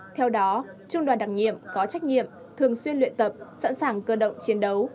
theo đó trung đoàn đặc nhiệm có trách nhiệm thường xuyên luyện tập sẵn sàng cơ động chiến đấu